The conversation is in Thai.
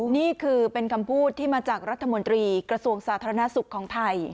นี่คือเป็นคำพูดที่มาจากรัฐมนตรีกระทรวงสาธารณสุขของไทย